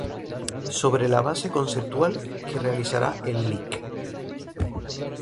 Sobre la base conceptual que realizara el Lic.